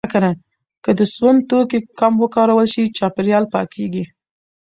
که د سون توکي کم وکارول شي، چاپیریال پاکېږي.